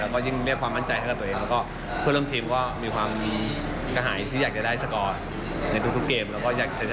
ก็ยิ่งเรียกความมั่นใจให้กับตัวเอง